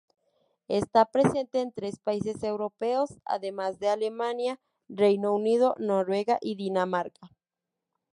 Está presente en tres países europeos, además de Alemania: Reino Unido, Noruega y Dinamarca.